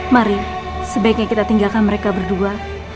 mari sebaiknya kita tinggalkan mereka berdua